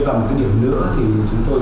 và một cái điều nữa thì chúng tôi